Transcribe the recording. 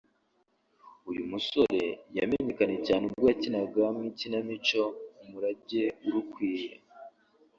umusore yamenyekanye cyane ubwo yakinaga mu ikinamico “Umurage urukwiye”